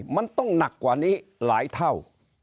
มันต้องหนักกว่านี้หลายเท่า